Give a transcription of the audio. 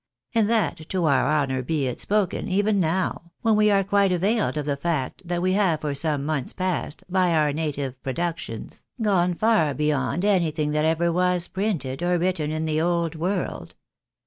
And that, to our honour be it spoken, even now, when we are quite availed of the fact that we have for some months past, by our native productions, gone far beyond anything that ever was printed or written in the old world.